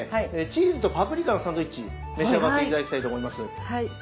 チーズとパプリカのサンドイッチ召し上がって頂きたいと思います。